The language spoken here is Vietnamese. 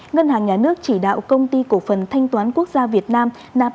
ngân hàng nhà nước chỉ đạo công ty cổ phần thanh toán quốc gia việt nam